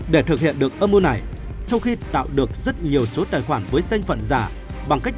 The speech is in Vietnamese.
để thực hiện được âm mưu này sau khi tạo được rất nhiều số tài khoản với danh phận giả bằng cách